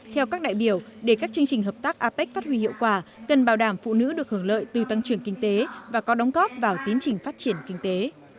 theo các đại biểu để các chương trình hợp tác apec phát huy hiệu quả cần bảo đảm phụ nữ được hưởng lợi từ tăng trưởng kinh tế và có đóng góp vào tiến trình phát triển kinh tế